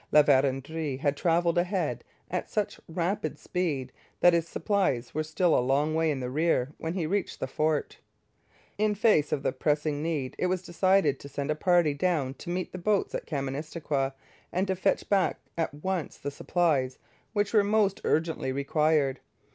La Vérendrye had travelled ahead at such rapid speed that his supplies were still a long way in the rear when he reached the fort. In face of the pressing need, it was decided to send a party down to meet the boats at Kaministikwia and to fetch back at once the supplies which were most urgently required.